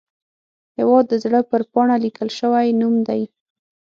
هیواد د زړه پر پاڼه لیکل شوی نوم دی